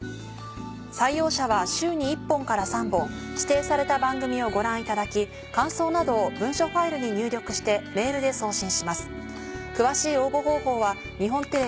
採用者は週に１本から３本指定された番組をご覧いただき感想などを文書ファイルに入力してメールで送信します。